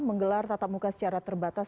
menggelar tatap muka secara terbatas